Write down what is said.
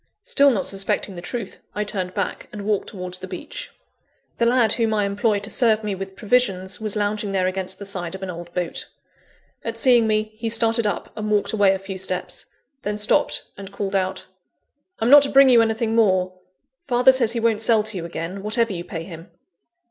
Still not suspecting the truth, I turned back, and walked towards the beach. The lad whom I employ to serve me with provisions, was lounging there against the side of an old boat. At seeing me, he started up, and walked away a few steps then stopped, and called out "I'm not to bring you anything more; father says he won't sell to you again, whatever you pay him."